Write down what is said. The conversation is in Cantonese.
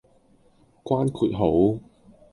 關括號